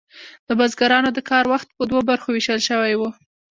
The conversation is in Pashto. د بزګرانو د کار وخت په دوو برخو ویشل شوی و.